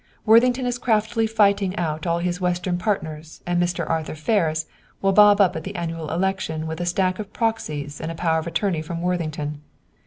"Worthington is craftily frightening out all his Western partners and Mr. Arthur Ferris will bob up at the annual election with a stack of proxies and a power of attorney from Worthington.